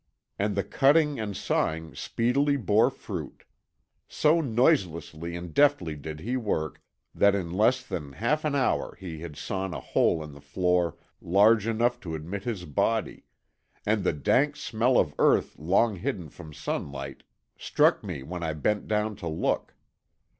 And the cutting and sawing speedily bore fruit. So noiselessly and deftly did he work that in less than half an hour he had sawn a hole in the floor large enough to admit his body; and the dank smell of earth long hidden from sunlight struck me when I bent down to look.